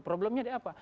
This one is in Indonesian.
problemnya di apa